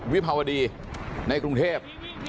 วิภาวดีในกรุงเทพ